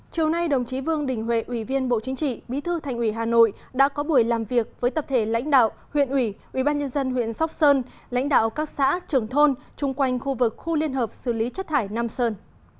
chiều nay đồng chí vương đình huệ ủy viên bộ chính trị bí thư thành ủy hà nội đã có buổi làm việc với tập thể lãnh đạo huyện ủy ubnd huyện sóc sơn lãnh đạo các xã trường thôn chung quanh khu vực khu liên hợp xử lý chất thải nam sơn